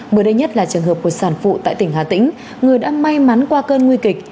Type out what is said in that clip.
mới đây nhất là trường hợp của sản phụ tại tỉnh hà tĩnh người đã may mắn qua cơn nguy kịch